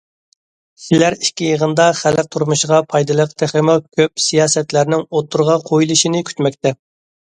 كىشىلەر ئىككى يىغىندا خەلق تۇرمۇشىغا پايدىلىق تېخىمۇ كۆپ سىياسەتلەرنىڭ ئوتتۇرىغا قويۇلۇشىنى كۈتمەكتە.